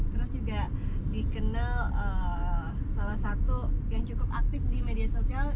terus juga dikenal salah satu yang cukup aktif di media sosial